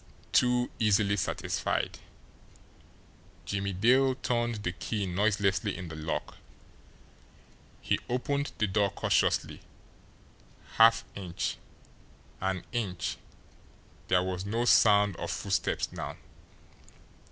TOO easily satisfied! Jimmie Dale turned the key noiselessly in the lock. He opened the door cautiously half inch an inch, there was no sound of footsteps now.